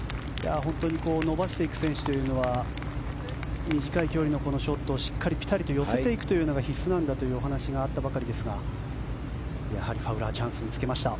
本当に伸ばしていく選手というのは短い距離のショットをしっかりピタリと寄せていくというのが必須なんだというお話があったばかりですがやはりファウラーチャンスにつけました。